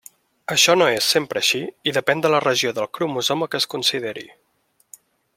Això no és sempre així i depèn de la regió del cromosoma que es consideri.